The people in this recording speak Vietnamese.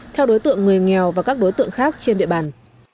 theo đối tượng người nghèo và các đối tượng khác trên địa bàn